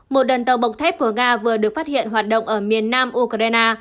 một đoàn tàu bọc thép của nga vừa được phát hiện hoạt động ở miền nam ukraine